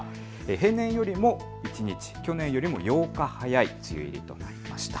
平年よりも１日、去年よりも８日早い梅雨入りとなりました。